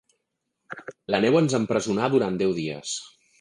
La neu ens empresonà durant deu dies.